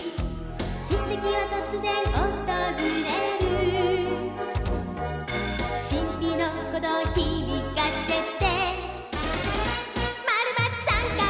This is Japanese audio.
「奇跡はとつぜんおとずれる」「しんぴのこどうひびかせて」「○×△」